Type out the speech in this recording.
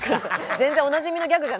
全然おなじみのギャグじゃないんで。